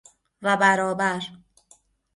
و برابر